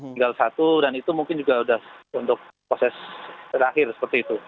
tinggal satu dan itu mungkin juga sudah untuk proses terakhir seperti itu